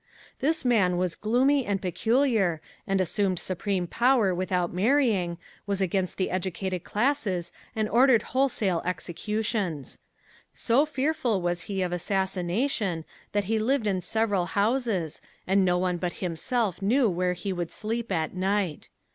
This man was gloomy and peculiar and assumed supreme power without marrying, was against the educated classes and ordered wholesale executions. So fearful was he of assassination that he lived in several houses and no one but himself knew where he would sleep at night.